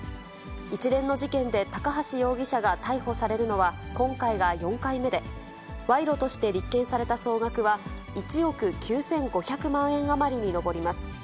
一連の事件で高橋容疑者が逮捕されるのは今回が４回目で、賄賂として立件された総額は、１億９５００万円余りに上ります。